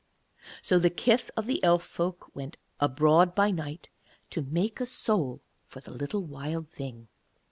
So the kith of the Elf folk went abroad by night to make a soul for the little Wild Thing.